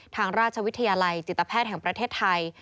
ทางราชวิทยาลัยจิตแพทย์แห่งประเทศไทย